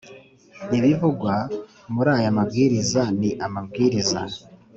Ibivugwa muri aya mabwiriza ni amabwiriza